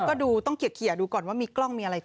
ก็ดูต้องเคลียร์ดูก่อนว่ามีกล้องมีอะไร